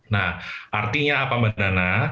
nah artinya apa mbak nana